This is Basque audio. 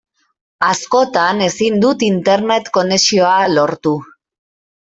Askotan ezin dut Internet konexioa lortu.